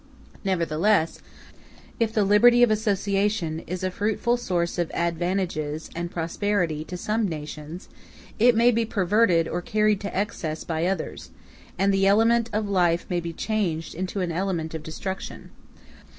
Nevertheless, if the liberty of association is a fruitful source of advantages and prosperity to some nations, it may be perverted or carried to excess by others, and the element of life may be changed into an element of destruction.